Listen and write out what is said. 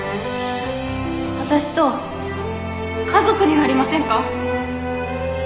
私と家族になりませんか？